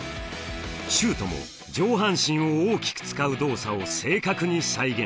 シュートも上半身を大きく使う動作を正確に再現。